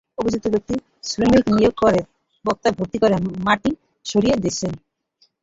অভিযুক্ত ব্যক্তি কয়েকজন শ্রমিক নিয়োগ করে বস্তায় ভর্তি করে মাটি সরিয়ে নিচ্ছেন।